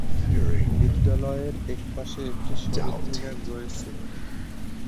বিদ্যালয়ের একপাশে একটি শহীদ মিনার রয়েছে।